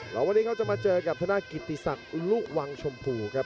แล้ววันนี้เขาจะมาเจอกับธนากิติศักดิ์อุลุวังชมพูครับ